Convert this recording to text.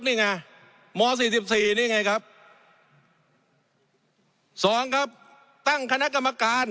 เนี่ยแหละหมอ๔๔เนี่ยไงครับสองครับตั้งคณะกรรมการ